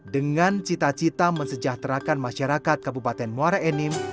dengan cita cita mensejahterakan masyarakat kabupaten muara enim